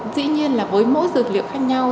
dĩ nhiên là với mỗi dược liệu khác nhau